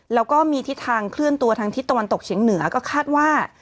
แล้วก็มีทิศทางเคลื่อนตัวทางทิศตะวันตกเฉียงเหนือก็คาดว่า